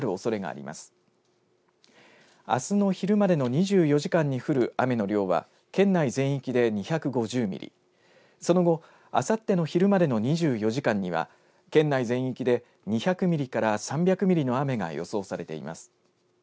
あす昼までの２４時間に降る雨の量は県内全域で２５０ミリ、その後、あさって昼までの２４時間には県内全域で２００ミリから３００ミリの雨が予想されています。